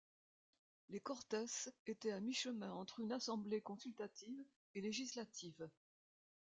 Les Cortes étaient à mi-chemin entre une assemblée consultative et législative.